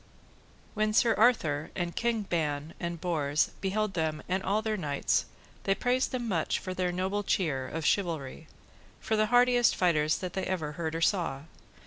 When Sir Arthur and King Ban and Bors beheld them and all their knights, they praised them much for their noble cheer of chivalry, for the hardiest fighters that ever they heard or saw.